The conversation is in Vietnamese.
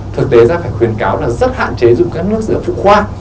thực tế ra phải khuyến cáo là rất hạn chế dùng các nước rửa phụ khoa